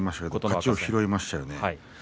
勝ちを拾いましたよね。